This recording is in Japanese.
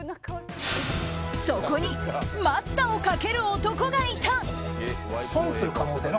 そこに待ったをかける男がいた。